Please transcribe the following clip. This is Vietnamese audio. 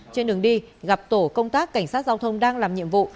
trên đường đi gặp tổ công tác cảnh sát giao thông đang làm nhiệm vụ